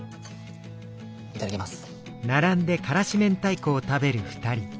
いただきます。